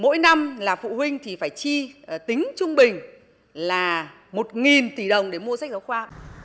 mỗi năm là phụ huynh thì phải chi tính trung bình là một tỷ đồng để mua sách giáo khoa